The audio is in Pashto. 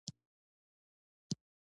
بې سواده ټولنه ناورین رامنځته کوي